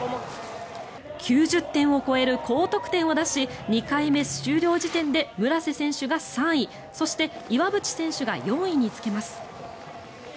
９０点を超える高得点を出し２回目終了時点で村瀬選手が３位そして岩渕選手が４位につけます。